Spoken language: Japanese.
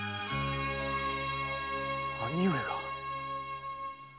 兄上が⁉